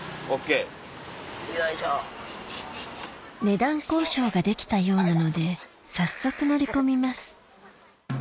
値段交渉ができたようなので早速乗り込みます